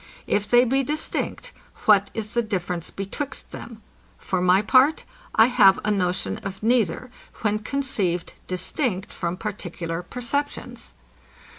If they be distinct, what is the difference betwixt them? For my part, I have a notion of neither, when conceived distinct from particular perceptions.